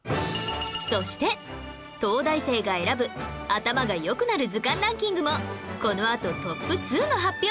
そして東大生が選ぶ頭が良くなる図鑑ランキングもこのあとトップ２の発表